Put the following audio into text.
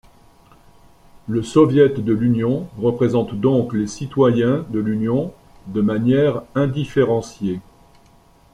Le Soviet de l'Union représente donc les citoyens de l'Union de manière indifférenciée.